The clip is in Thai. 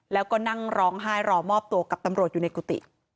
แล้วก็นั่งร้องไห้รอมอบตัวกับตำรวจอยู่ในกุฏิ